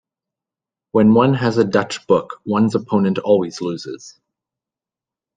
When one has a Dutch book, one's opponent always loses.